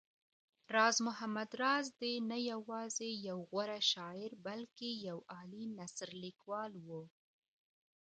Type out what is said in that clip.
راز محمد راز دی نه يوازې يو غوره شاعر بلکې يو عالي نثرليکوال و